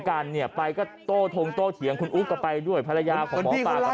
กันเนี่ยไปก็โต้ทงโตเถียงคุณอุ๊กก็ไปด้วยภรรยาของหมอปลากับ